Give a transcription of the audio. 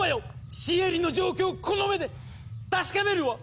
シエリの状況をこの目で確かめるわ！